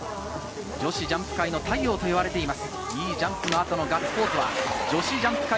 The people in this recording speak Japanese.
女子ジャンプ界の太陽と言われています。